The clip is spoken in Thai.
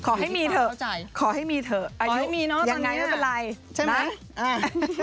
ขอให้มีเถอะขอให้มีเถอะอายุอย่างนั้นก็เป็นไรนะใช่ไหมอ่า